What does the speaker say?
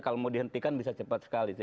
kalau mau dihentikan bisa cepat sekali